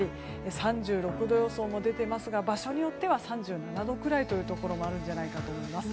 ３６度予想も出ていますが場所によっては３７度ぐらいというところもあるんじゃないかと思います。